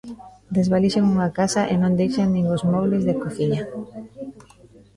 Desvalixan unha casa e non deixan nin os mobles da cociña.